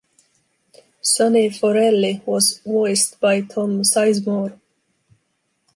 Sonny Forelli was voiced by Tom Sizemore.